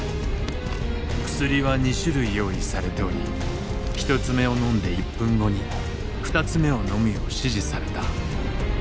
薬は２種類用意されており１つ目を飲んで１分後に２つ目を飲むよう指示された。